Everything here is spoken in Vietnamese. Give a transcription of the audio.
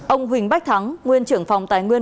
ông huỳnh bách thắng nguyên trưởng phòng tài nguyên